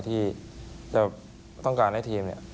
ที่จะต้องการให้ทีมเนี่ย